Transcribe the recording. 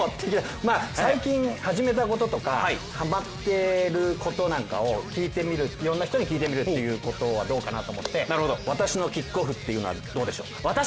最近始めたこととかハマっていることをいろんな人に聞いてみるということはどうかなと思って、「私のキックオフ」というのはどうでしょうか？